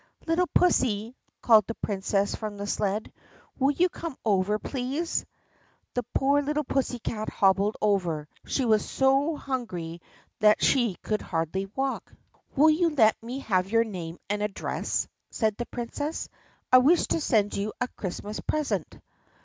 "Little pussy!" called the Princess from the sled. "Will you come over, please." The poor little pussycat hobbled over. She was so hungry that she could hardly walk. The Tabbyland Santa Claus THE PUSSYCAT PRINCESS 154 "Will you let me have your name and address?" asked the Princess. "I wish to send you a Christmas present."